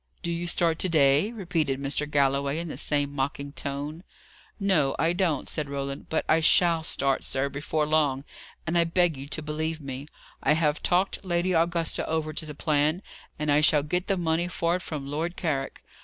"Do you start to day?" repeated Mr. Galloway, in the same mocking tone. "No, I don't," said Roland. "But I shall start, sir, before long, and I beg you to believe me. I have talked Lady Augusta over to the plan, and I shall get the money for it from Lord Carrick.